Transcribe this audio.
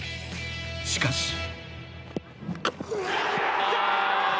しかし。